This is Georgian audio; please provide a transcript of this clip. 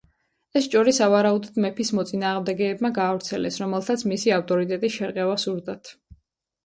ეს ჭორი სავარაუდოდ მეფის მოწინააღმდეგეებმა გაავრცელეს, რომელთაც მისი ავტორიტეტის შერყევა სურდათ.